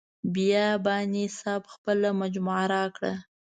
بیاباني صاحب خپله مجموعه راکړه.